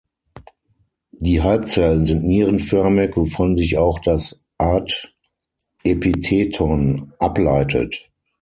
Die Halbzellen sind nierenförmig, wovon sich auch das Art-Epitheton ableitet.